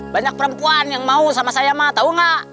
banyak perempuan yang mau sama saya mah tahu nggak